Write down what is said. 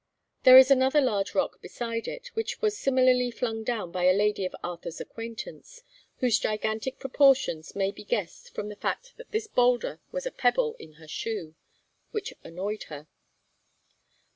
There is another large rock beside it, which was similarly flung down by a lady of Arthur's acquaintance, whose gigantic proportions may be guessed from the fact that this boulder was a pebble in her shoe, which annoyed her.